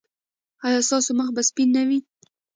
ایا ستاسو مخ به سپین نه وي؟